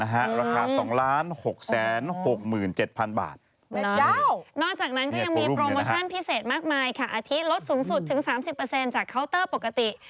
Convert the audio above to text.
แหละแข็งพิเศษมากมายค่ะอาทิตรลดสูงสุดถึง๓๐จากเคาตเตอร์ปกติ